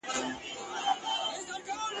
ځان به هېر کې ما به نه سې هېرولای !.